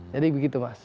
jadi begitu mas